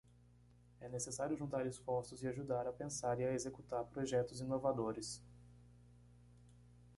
É necessário juntar esforços e ajudar a pensar e a executar projetos inovadores